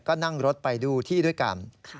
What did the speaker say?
ก็นั่งรถไปดูที่ด้วยกัน